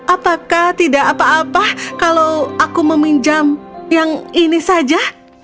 apakah tidak apa apa kalau aku meminjam yang ini saja